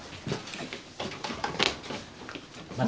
はい。